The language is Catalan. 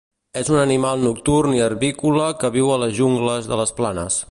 És un animal nocturn i arborícola que viu a les jungles de les planes.